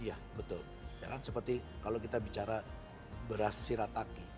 iya betul ya kan seperti kalau kita bicara beras sirataki